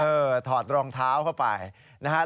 ถอดรองเท้าเข้าไปนะครับ